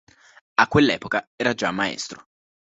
A quell'epoca era già "maestro".